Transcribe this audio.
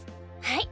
はい。